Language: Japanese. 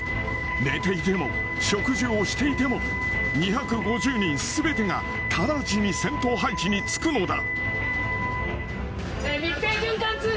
寝ていても、食事をしていても、２５０人すべてが、直ちに戦闘配置につくのだ。